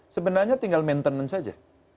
sebenarnya tinggal maintenance saja